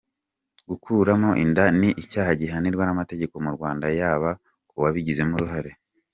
Gukuramo inda ni icyaha gihanwa n’amategeko mu Rwanda yaba ku wabigizemo uruhare.